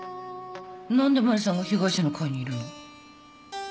何でマリさんが被害者の会にいるの？